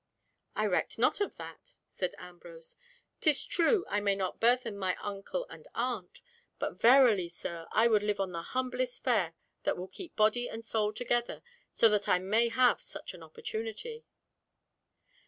"I recked not of that," said Ambrose. "'Tis true, I may not burthen mine uncle and aunt, but verily, sir, I would live on the humblest fare that will keep body and soul together so that I may have such an opportunity."